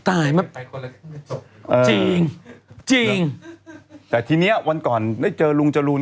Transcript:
ตายจริงจริงแต่ทีเนี้ยวันก่อนได้เจอลุงจรูน